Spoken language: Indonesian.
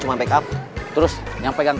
semarang semarang semarang